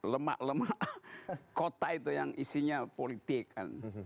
lemak lemak kota itu yang isinya politik kan